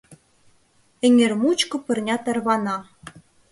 Эҥер мучко пырня тарвана.